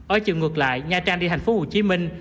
ở chiều ngược lại nha trang đi thành phố hồ chí minh